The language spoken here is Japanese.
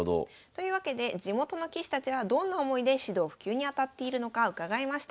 というわけで地元の棋士たちはどんな思いで指導・普及に当たっているのか伺いました。